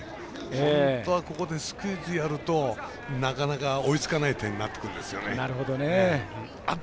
本当はここでスクイズやるとなかなか追いつかない点になってくるんですよね。